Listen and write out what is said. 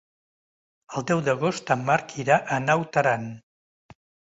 El deu d'agost en Marc irà a Naut Aran.